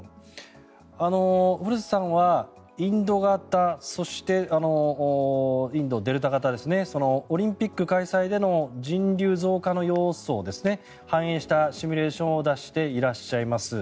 古瀬さんはインド型、デルタ型ですねオリンピック開催での人流増加の要素を反映したシミュレーションを出していらっしゃいます。